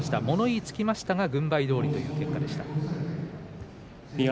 物言いがつきましたが軍配どおりという結果でした。